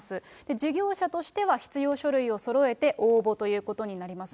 事業者としては必要書類をそろえて応募ということになります。